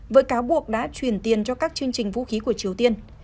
với cáo buộc đã chuyển tiền cho các chương trình vũ khí của triều tiên